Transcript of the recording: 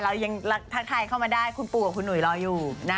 เรายังทักทายเข้ามาได้คุณปูกับคุณหุยรออยู่นะ